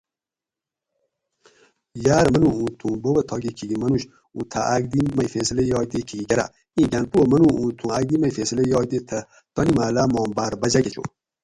یاۤرہ منو اوں تھوں بوبہ تھاکہ کھیکی منوش اُوں تھوں اکدی مئی فیصلہ یائے تے تھہ کھیکی کراۤ؟ اِیں گھاۤن پواۤ منو اوں تھوں اکدی مئی فیصلہ یائے تے تانی محلاۤ ما بھاۤرہ باچاۤ کہ چو